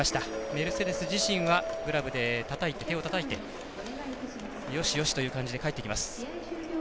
メルセデス自身はグラブで手をたたいてよし、よしという感じで帰っていきます。